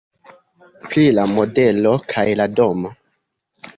Pri la modelo kaj la domo.